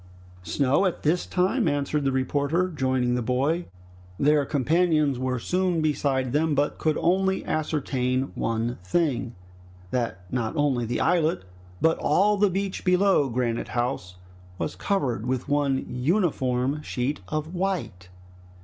"Snow at this time?" answered the reporter, joining the boy. Their companions were soon beside them, but could only ascertain one thing, that not only the islet but all the beach below Granite House was covered with one uniform sheet of white.